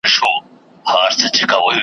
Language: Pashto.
چي آزاد له پنجرو سي د ښکاریانو .